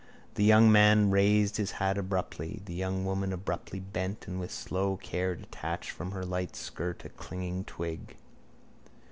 The young man raised his cap abruptly: the young woman abruptly bent and with slow care detached from her light skirt a clinging twig.